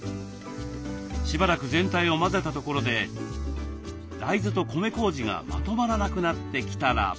しばらく全体を混ぜたところで大豆と米こうじがまとまらなくなってきたら。